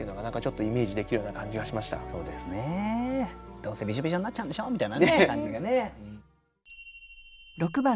「どうせびしょびしょになっちゃうんでしょ」みたいな感じがね。